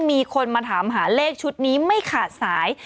มีคนมาถามหาเลขชุดนี้ไม่ขาดสาย